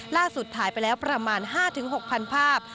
ล่าสุดถ่ายไปแล้วประมาณ๕๖๐๐ภาพ